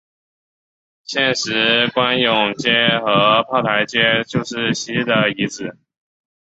现时官涌街和炮台街就是昔日的遗址。